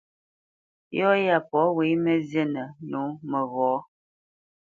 Yɔ́ yá pɔ̂ wé mǝ́ zínǝ́ nǒ məghɔ̌.